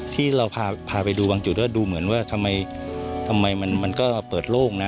ที่เราพาไปดูบางจุดก็ดูเหมือนว่าทำไมมันก็เปิดโล่งนะ